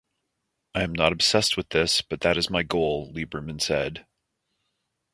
I'm not obsessed with this, but that is my goal, Lieberman said.